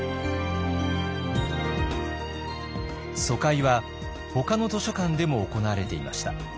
疎開はほかの図書館でも行われていました。